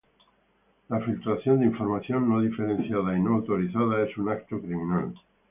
La filtración de información no diferenciada y no autorizada es un acto criminal".